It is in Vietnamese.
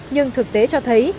nhưng thực tế cho thấy